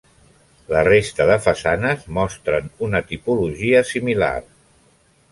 La resta de façanes mostren una tipologia similar.